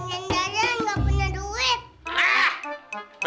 pengen jalan nggak punya duit